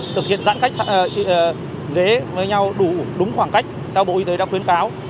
thực hiện giãn khách lế với nhau đủ đúng khoảng cách theo bộ y tế đã khuyến cáo